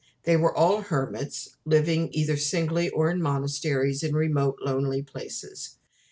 They were all hermits, living either singly or in monasteries in remote lonely places.